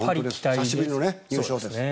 久しぶりの優勝です。